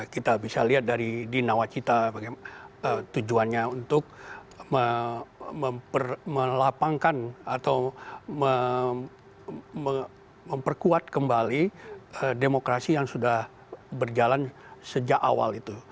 kita bisa lihat dari di nawacita tujuannya untuk melapangkan atau memperkuat kembali demokrasi yang sudah berjalan sejak awal itu